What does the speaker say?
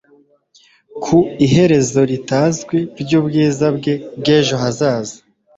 Ku iherezo ritazwi ryubwiza bwe bwejo hazaza